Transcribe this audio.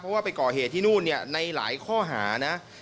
เพราะว่าไปก่อเหตุที่นู่นเนี่ยในหลายข้อหานะ